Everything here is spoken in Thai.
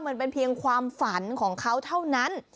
มันเป็นเพียงความฝันของเขาเท่านั้น